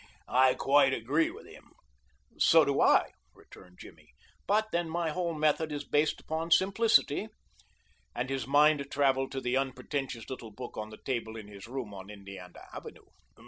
I quite agree with him." "So do I," returned Jimmy, "but, then, my whole method is based upon simplicity." And his mind traveled to the unpretentious little book on the table in his room on Indiana Avenue.